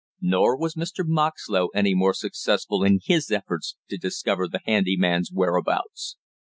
Nor was Mr. Moxlow any more successful in his efforts to discover the handy man's whereabouts.